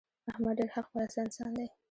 احمد ډېر حق پرسته انسان دی.